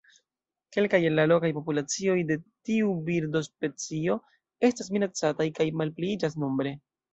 Kelkaj el la lokaj populacioj de tiu birdospecio estas minacataj kaj malpliiĝas nombre.